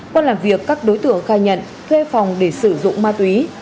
qua làm việc các đối tượng khai nhận thuê phòng để sử dụng ma túy